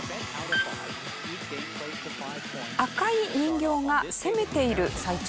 赤い人形が攻めている最中です。